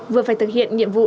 vừa phải thực hiện nhiệm vụ